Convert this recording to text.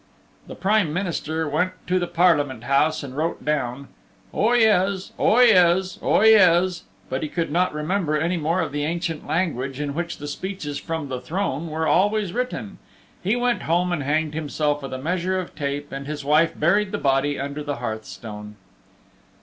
The Prime Minister went to the Parliament House and wrote down "Oyez, Oyez, Oyez!" But he could not remember any more of the ancient language in which the speeches from the Throne were always written. He went home and hanged himself with a measure of tape and his wife buried the body under the hearth stone.